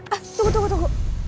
ah tunggu tunggu tunggu